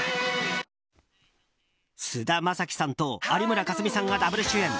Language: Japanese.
菅田将暉さんと有村架純さんがダブル主演。